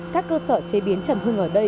các cơ sở chế biến trầm hương ở đây